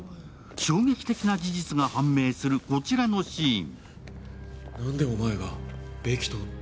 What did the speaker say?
衝撃的な事実が判明するこちらのシーン。